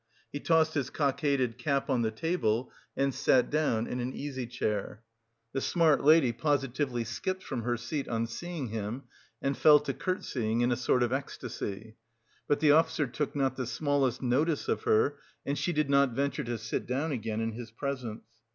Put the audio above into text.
He tossed his cockaded cap on the table and sat down in an easy chair. The small lady positively skipped from her seat on seeing him, and fell to curtsying in a sort of ecstasy; but the officer took not the smallest notice of her, and she did not venture to sit down again in his presence.